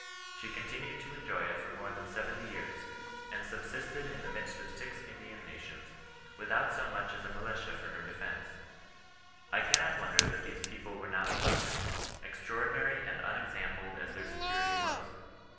She continued to enjoy it for more than seventy years/ and * subsisted in the midst of six Indian nations, without so much as a militia for her defence. " I cannot wonder that these people were not molested, extraordinary and unexampled as their security was.